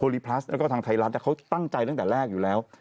ลีพลัสแล้วก็ทางไทยรัฐเขาตั้งใจตั้งแต่แรกอยู่แล้ว